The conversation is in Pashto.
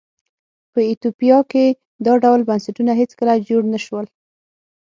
په ایتوپیا کې دا ډول بنسټونه هېڅکله جوړ نه شول.